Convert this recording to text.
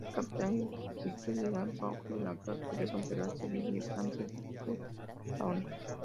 Su capital histórica era Beaujeu y la actual podría considerarse Villefranche-sur-Saône.